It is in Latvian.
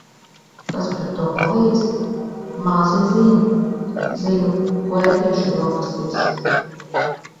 Kas pret to palīdz? Mazi "zinu". Zinu, ko ēdīšu brokastīs.